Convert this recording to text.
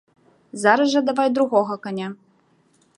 Зараз жа давай другога каня!